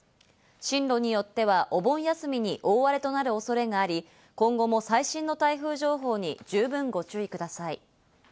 進路によってはお盆休みに大荒れとなる恐れがあり、今後も最新の台風情報に十分ご注意ください。